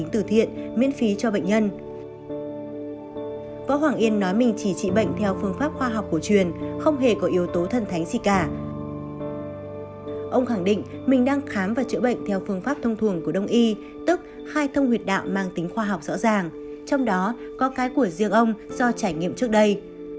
tức khai thông huyệt đạo mang tính khoa học rõ ràng trong đó có cái của riêng ông do trải nghiệm trước đây